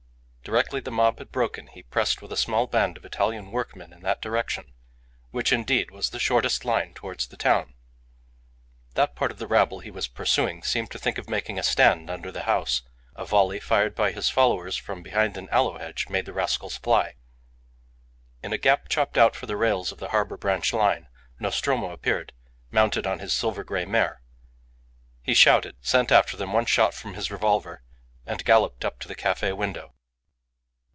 Directly the mob had broken he pressed with a small band of Italian workmen in that direction, which, indeed, was the shortest line towards the town. That part of the rabble he was pursuing seemed to think of making a stand under the house; a volley fired by his followers from behind an aloe hedge made the rascals fly. In a gap chopped out for the rails of the harbour branch line Nostromo appeared, mounted on his silver grey mare. He shouted, sent after them one shot from his revolver, and galloped up to the cafe window.